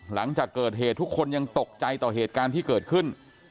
หลังจากเกิดเหตุทุกคนยังตกใจต่อเหตุการณ์ที่เกิดขึ้น